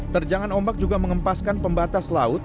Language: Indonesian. terjangan ombak juga mengempaskan pembatas laut